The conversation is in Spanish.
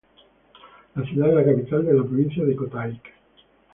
La ciudad es la capital de la provincia de Kotayk.